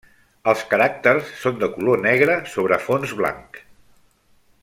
Els caràcters són de color negre sobre fons blanc.